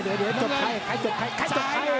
เดี๋ยวดีให้จบใครใครจบใคร